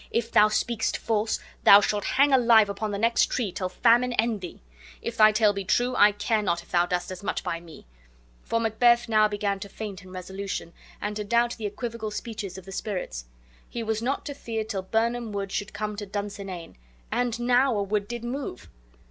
"If thou speakest false, thou shalt hang alive upon the next tree, till famine end thee. If thy tale be true, I care not if thou dost as much by me"; for Macbeth now began to faint in resolution, and to doubt the equivocal speeches of the spirits. He was not to fear till Birnam wood should come to Dunsinane; and now a wood did move!